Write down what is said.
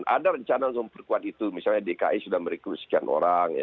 ada rencana untuk memperkuat itu misalnya dki sudah merekrut sekian orang